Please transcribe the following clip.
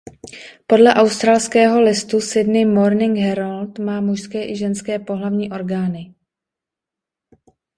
Podle australského listu Sydney Morning Herold má mužské i ženské pohlavní orgány.